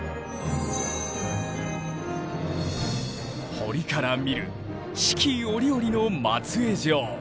堀から見る四季折々の松江城。